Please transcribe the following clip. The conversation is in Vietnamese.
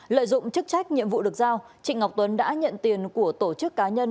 lợi dụng chức trách nhiệm vụ được giao trịnh ngọc tuấn đã nhận tiền của tổ chức cá nhân